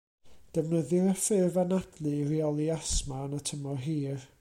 Defnyddir y ffurf anadlu i reoli asthma yn y tymor hir.